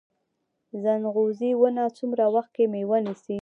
ځنغوزي ونه څومره وخت کې میوه نیسي؟